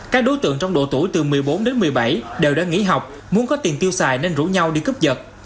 các đối tượng trong độ tuổi từ một mươi bốn đến một mươi bảy đều đã nghỉ học muốn có tiền tiêu xài nên rủ nhau đi cướp dật